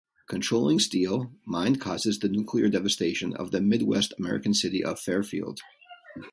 Controlling Steel, Mind causes the nuclear devastation of the midwest American city of Fairfield.